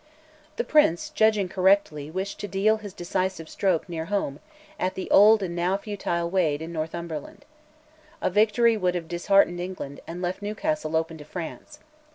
The Prince, judging correctly, wished to deal his "decisive stroke" near home, at the old and now futile Wade in Northumberland. A victory would have disheartened England, and left Newcastle open to France.